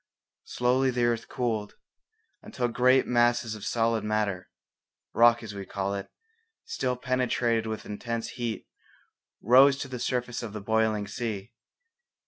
Slowly the earth cooled, until great masses of solid matter, rock as we call it, still penetrated with intense heat, rose to the surface of the boiling sea.